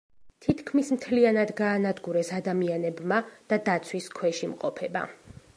თითქმის მთლიანად გაანადგურეს ადამიანებმა და დაცვის ქვეშ იმყოფება.